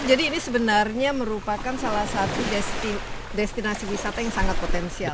jadi ini sebenarnya merupakan salah satu destinasi wisata yang sangat potensial